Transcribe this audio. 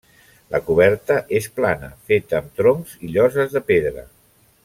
La coberta és plana, feta amb troncs i lloses de pedra.